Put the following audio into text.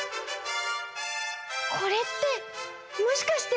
これってもしかしてわたし？